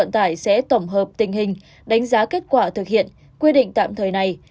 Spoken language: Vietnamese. tổng hợp tình hình đánh giá kết quả thực hiện quy định tạm thời này